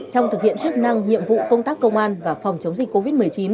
trong thực hiện chức năng nhiệm vụ công tác công an và phòng chống dịch covid một mươi chín